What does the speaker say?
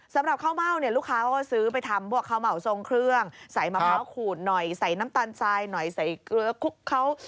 ใส่มะพร้าวขูดหน่อยใส่น้ำตาลทรายหน่อยใส่เกลือคลุกเขา